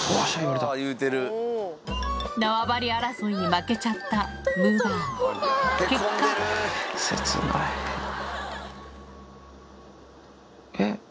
縄張り争いに負けちゃったむぅばあ結果えっ！